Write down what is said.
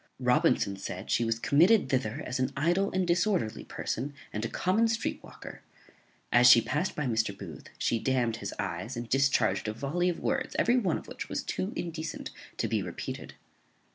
Robinson said she was committed thither as an idle and disorderly person, and a common street walker. As she past by Mr. Booth, she damned his eyes, and discharged a volley of words, every one of which was too indecent to be repeated.